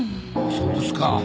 そうですか。